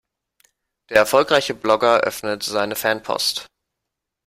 Der erfolgreiche Blogger öffnet seine Fanpost.